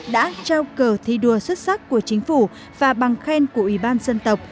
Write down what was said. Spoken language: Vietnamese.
đã trao cờ thi đua xuất sắc của chính phủ và bằng khen của ủy ban dân tộc